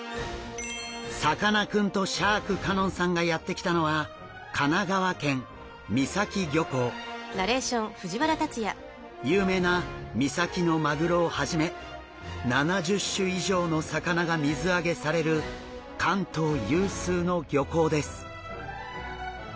さかなクンとシャーク香音さんがやって来たのは有名な三崎のマグロをはじめ７０種以上の魚が水揚げされる関東有数の漁港です。